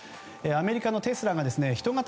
アメリカのテスラが人型